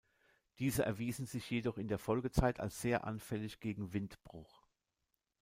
Diese erwiesen sich jedoch in der Folgezeit als sehr anfällig gegen Windbruch.